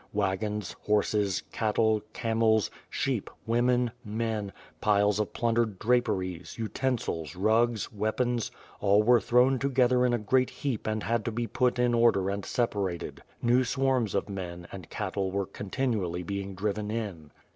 Wagons, horses, cattle, camels, sheep, women, men, piles of plundered draperiers, utensils, rugs, weapons, — all were thrown together in a great heap and had to be put in order and separated. New swarms of men, and cattle were continually being driven in.